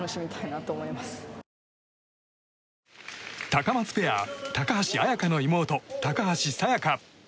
タカマツペア、高橋礼華の妹高橋沙也加。